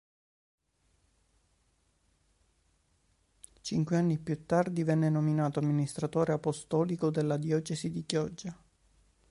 Cinque anni più tardi venne nominato amministratore apostolico della diocesi di Chioggia.